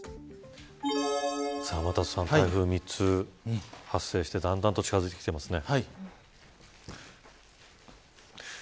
天達さん、台風３つ発生してだんだんと近づいていますね。